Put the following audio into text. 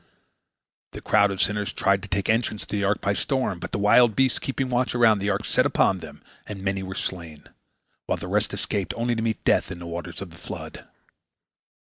The crowd of sinners tried to take the entrance to the ark by storm, but the wild beasts keeping watch around the ark set upon them, and many were slain, while the rest escaped, only to meet death in the waters of the flood.